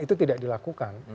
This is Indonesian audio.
itu tidak dilakukan